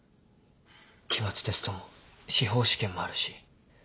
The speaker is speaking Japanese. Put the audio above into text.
期末テストも司法試験もあるし。